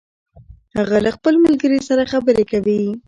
هغه له خپل ملګري سره خبرې کوي